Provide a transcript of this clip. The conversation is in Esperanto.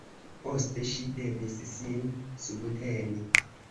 Poste, ŝi devis sin subteni.